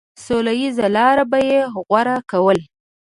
سوله ييزه لاره به يې غوره کوله.